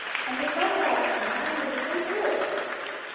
And above all, when Violet is so ill."